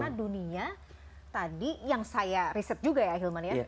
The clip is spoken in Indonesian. karena dunia tadi yang saya riset juga ya ahilman ya